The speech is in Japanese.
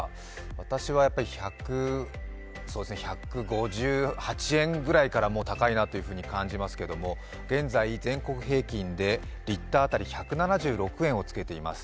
私はやっぱり１５８円ぐらいからもう高いなと感じますけれども現在、全国平均でリッター当たり１７６円をつけています。